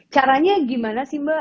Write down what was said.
caranya gimana sih mba